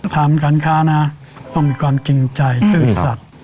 ทำการค้าต้องมีความจริงใจคือศักดิ์สัตว์